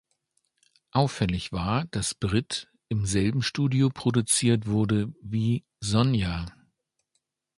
Auffällig war, dass "Britt" im selben Studio produziert wurde wie "Sonja".